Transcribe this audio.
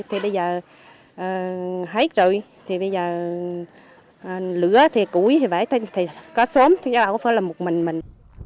thì bây giờ hết rồi thì bây giờ lửa thì củi thì phải thì có xóm thế là có phải là một mình mình